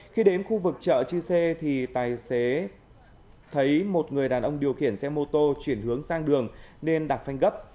khi đến khu vực chợ chư sê thì tài xế thấy một người đàn ông điều khiển xe mô tô chuyển hướng sang đường nên đạp phanh gấp